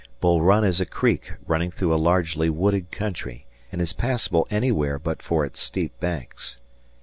Bull Run is a creek running through a largely wooded country, and is passable anywhere but for its steep banks.